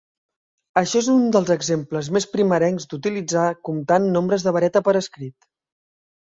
Això és un dels exemples més primerencs d'utilitzar comptant nombres de vareta per escrit.